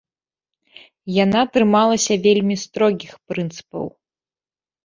Яна трымалася вельмі строгіх прынцыпаў.